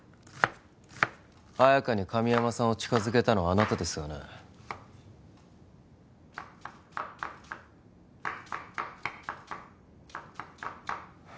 綾華に神山さんを近づけたのはあなたですよねは